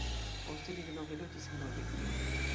Poste li denove loĝis en Norvegio.